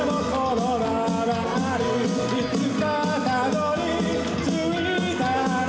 「いつかたどり着いたら」